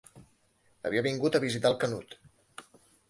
Havia vingut a visitar el Canut.